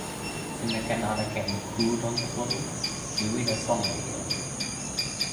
sina ken ala ken ku lon tenpo ni? mi wile sona e ijo.